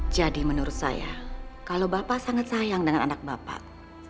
jadi menurut saya kalau bapak sangat sayang dengan anak bapak